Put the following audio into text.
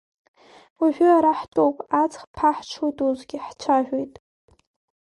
Уажәы ара ҳтәоуп, аҵх ԥаҳҽуеит усгьы, ҳцәажәоит.